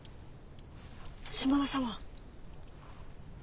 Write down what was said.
島田様。